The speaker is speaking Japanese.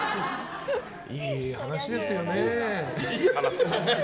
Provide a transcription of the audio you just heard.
いい話ですよね。